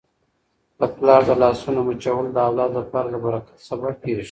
د پلار د لاسونو مچول د اولاد لپاره د برکت سبب کیږي.